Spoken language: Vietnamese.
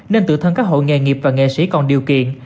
nên tự thân các hội nghề nghiệp và nghệ sĩ còn điều kiện